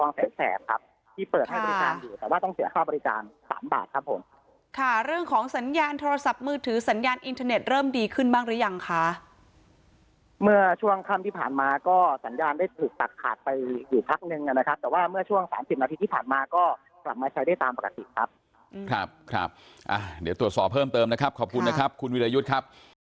เป็นจุดที่มวลชนสามารถเดินทางเข้าไปเป็นจุดที่มวลชนสามารถเดินทางเข้าไปเป็นจุดที่มวลชนสามารถเดินทางเข้าไปเป็นจุดที่มวลชนสามารถเดินทางเข้าไปเป็นจุดที่มวลชนสามารถเดินทางเข้าไปเป็นจุดที่มวลชนสามารถเดินทางเข้าไปเป็นจุดที่มวลชนสามารถเดินทางเข้าไปเป็นจุดที่มวลชนสามารถเดินทางเข้